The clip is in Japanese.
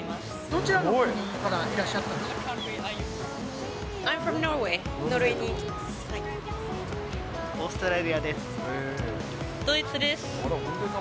どちらの国からいらっしゃったんですか？